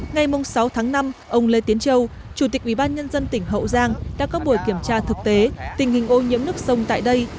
ngày sáu tháng năm ông lê tiến châu chủ tịch ubnd tỉnh hậu giang đã có buổi kiểm tra thực tế tình hình ô nhiễm nước sông tại đây